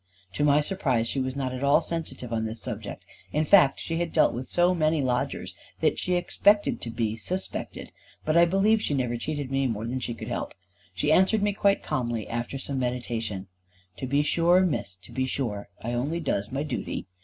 To my surprise she was not at all sensitive on this subject. In fact she had dealt with so many lodgers, that she expected to be suspected. But I believe she never cheated me more than she could help. She answered me quite calmly, after some meditation: "To be sure, Miss, to be sure, I only does my dooty.